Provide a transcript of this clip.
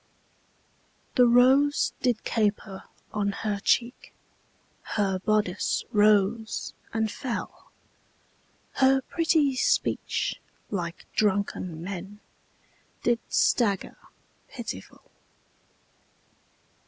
The rose did caper on her cheek, Her bodice rose and fell, Her pretty speech, like drunken men, Did stagger pitiful.